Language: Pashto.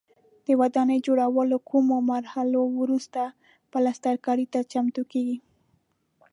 د ودانۍ جوړولو کومو مرحلو وروسته پلسترکاري ته چمتو کېږي.